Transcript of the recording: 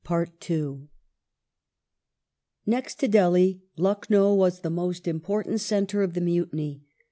Lucknow Next to Delhi, Lucknow was the most important centre of the Mutiny.